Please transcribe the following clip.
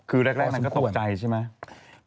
คือแรกมันก็ตกใจใช่ไหม